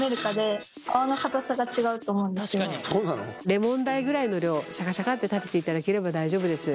レモン大ぐらいの量をシャカシャカって立てていただければ大丈夫です。